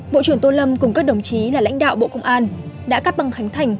bộ trưởng tô lâm cùng các đồng chí là lãnh đạo bộ công an đã cắt băng khánh thành